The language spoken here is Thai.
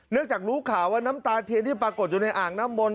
เนื่องจากรู้ข่าวว่าน้ำตาเทียนที่ปรากฏจนในอ่างน้ำมน